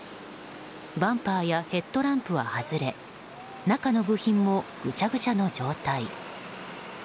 バンパーやヘッドランプは外れ中の部品もぐちゃぐちゃの状態。